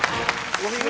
お見事！